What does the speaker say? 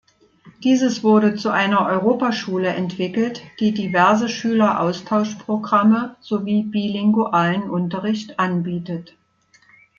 Dieses wurde zu einer Europaschule entwickelt, die diverse Schüleraustausch-Programme sowie bilingualen Unterricht anbietet.